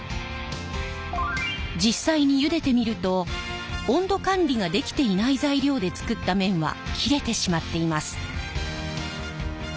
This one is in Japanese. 実際にゆでてみると温度管理ができていない材料で作った麺は切れてしまっています。